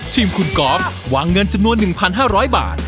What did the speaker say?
ทีมคุณกอล์ฟวางเงินจำนวน๑๕๐๐บาท